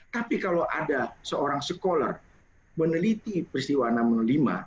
tapi kalau ada seorang sekoler meneliti peristiwa namun